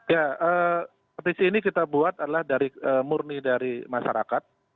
ya petisi ini kita buat adalah dari murni dari masyarakat